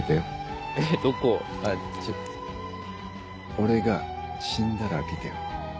俺が死んだら開けてよ。